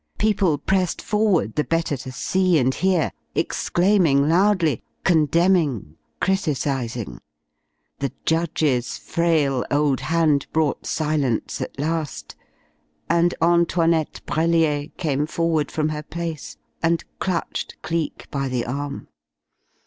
People pressed forward, the better to see and hear, exclaiming loudly, condemning, criticising. The judge's frail old hand brought silence at last, and Antoinette Brellier came forward from her place and clutched Cleek by the arm.